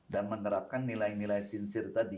dan menerapkan nilai nilai sincir tadi